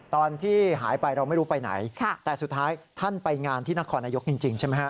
ตอนที่หายไปเราไม่รู้ไปไหนแต่สุดท้ายท่านไปงานที่นครนายกจริงใช่ไหมฮะ